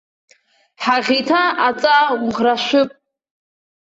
Ҳаӷиҭа, аҵаа уӷрашәып!